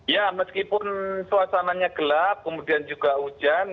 ya meskipun suasananya gelap kemudian juga hujan